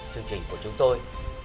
chương trình của chúng tôi